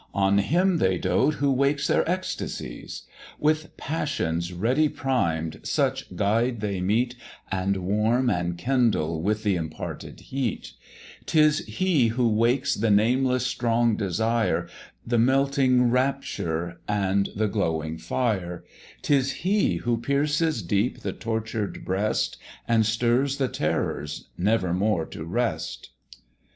On him ther dote who wakes their ectasies; With passions ready primed such guide they meet, And warm and kindle with th' imparted heat; 'Tis he who wakes the nameless strong desire, The melting rapture and the glowing fire; 'Tis he who pierces deep the tortured breast, And stirs the terrors never more to rest.